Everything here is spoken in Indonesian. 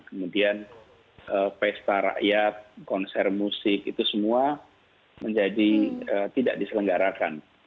kemudian pesta rakyat konser musik itu semua menjadi tidak diselenggarakan